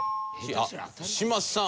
あっ嶋佐さん